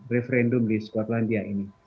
referendum di skotlandia ini